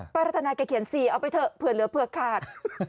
รัฐนาแกเขียน๔เอาไปเถอะเผื่อเหลือเผื่อขาด